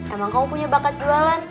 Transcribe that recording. emang kamu punya bakat jualan